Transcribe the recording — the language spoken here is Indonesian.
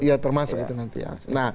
iya termasuk itu nanti ya